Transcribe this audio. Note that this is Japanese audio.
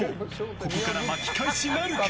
ここから巻き返しなるか？